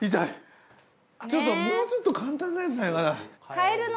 ちょっともうちょっと簡単なやつないかな。